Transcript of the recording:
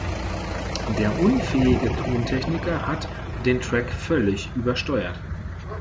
Der unfähige Tontechniker hat den Track völlig übersteuert.